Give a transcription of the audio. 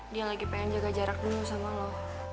dia lagi pengen jaga jarak dulu sama lo